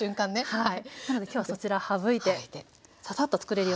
はい。